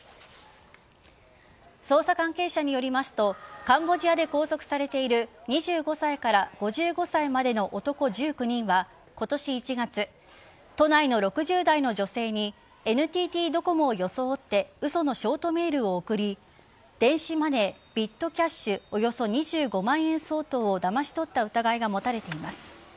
捜査関係者によりますとカンボジアで拘束されている２５歳から５５歳までの男１９人は今年１月都内の６０代の女性にＮＴＴドコモを装って嘘のショートメールを送り電子マネー・ビットキャッシュおよそ２５万円相当をだまし取った疑いが持たれています。